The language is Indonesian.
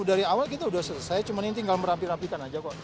dari awal kita udah selesai cuman ini tinggal merapi rapikan aja kok